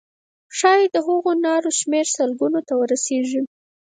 ښایي د هغو نارو شمېر سلګونو ته ورسیږي.